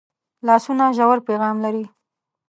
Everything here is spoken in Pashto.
لاسونه ژور پیغام لري